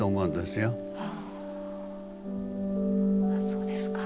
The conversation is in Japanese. そうですか。